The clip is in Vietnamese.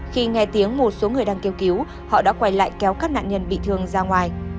khi nghe tiếng một số người đang kêu cứu họ đã quay lại kéo các nạn nhân bị thương ra ngoài